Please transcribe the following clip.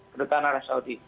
penduduk tanah saudi